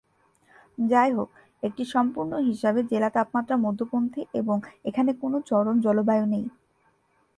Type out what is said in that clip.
যাইহোক, একটি সম্পূর্ণ হিসাবে জেলা তাপমাত্রা মধ্যপন্থী এবং এখানে কোন চরম জলবায়ু নেই।